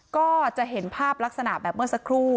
ก็จะเห็นภาพลักษณะแบบเมื่อสักครู่